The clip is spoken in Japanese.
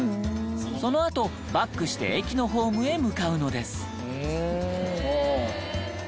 そのあとバックして駅のホームへ向かうのです。